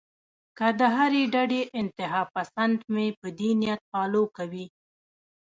کۀ د هرې ډډې انتها پسند مې پۀ دې نيت فالو کوي